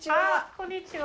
こんにちは。